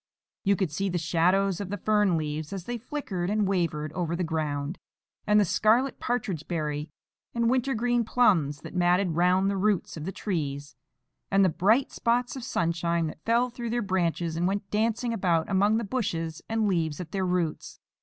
You could see the shadows of the fern leaves, as they flickered and wavered over the ground, and the scarlet partridge berry and winter green plums that matted round the roots of the trees, and the bright spots of sunshine that fell through their branches and went dancing about among the bushes and leaves at their roots.